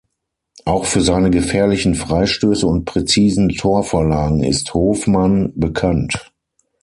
Auch für seine gefährlichen Freistöße und präzisen Torvorlagen ist Hofmann bekannt.